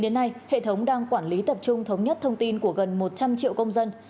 đến nay hệ thống đang quản lý tập trung thống nhất thông tin của gần một trăm linh triệu công dân